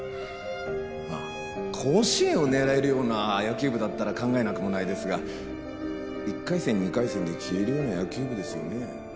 まあ甲子園を狙えるような野球部だったら考えなくもないですが１回戦２回戦で消えるような野球部ですよね。